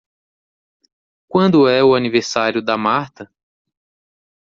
Quando é o aniversário da Marta?